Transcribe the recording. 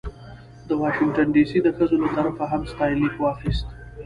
د واشنګټن ډې سي د ښځو له طرفه هم ستاینلیک واخیست.